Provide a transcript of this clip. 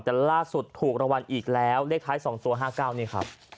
แต่ล่าสุดถูกระวังอีกแล้วเลขท้ายสองตัวห้าเก้านี่ครับ